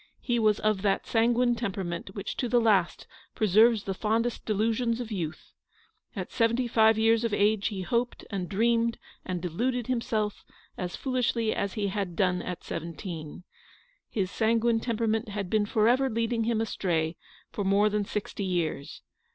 He was of that sanguine tempei'ament which to the last preserves the fondest delusions of youth. At so seventy five years of age lie hoped and dreamed and deluded himself as foolishly as he had done at seventeen. His sanguine temperament had been for ever leading him astray for more than sixty years.